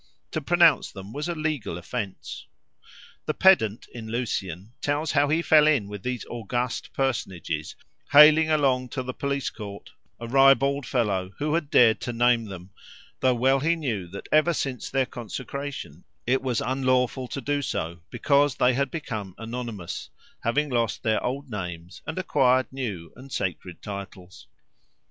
To pronounce them was a legal offence The pedant in Lucian tells how he fell in with these august personages haling along to the police court a ribald fellow who had dared to name them, though well he knew that ever since their consecration it was unlawful to do so, because they had become anonymous, having lost their old names and acquired new and sacred titles.